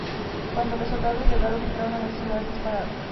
Cuando los soldados llegaron, entraron a la ciudad disparando.